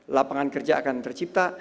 lapangan kerja akan tercipta